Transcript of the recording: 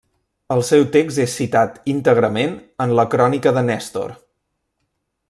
El seu text és citat íntegrament en la Crònica de Nèstor.